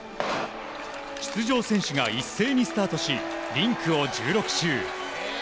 出場選手が一斉にスタートしリンクを１６周。